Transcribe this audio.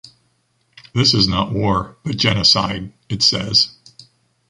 This is not war but genocide," it says.